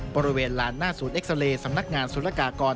บริเวณลานหน้าศูนย์เอ็กซาเลสำนักงานศูนยากากร